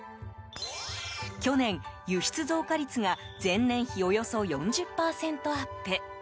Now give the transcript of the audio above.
去年、輸出増加率が前年比およそ４０％アップ。